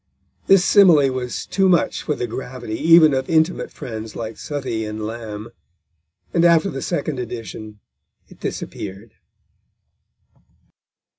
This simile was too much for the gravity even of intimate friends like Southey and Lamb, and after the second edition it disappeared.